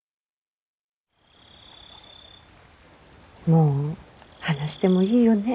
もう話してもいいよね。